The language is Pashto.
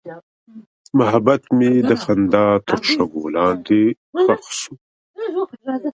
محبت مې د خندا تر شګو لاندې ښخ شو.